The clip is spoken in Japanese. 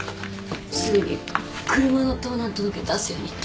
すぐに車の盗難届出すようにって。